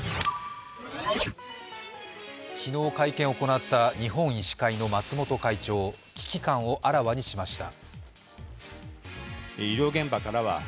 昨日会見を行った日本医師会の松本会長、危機感をあらわにしました。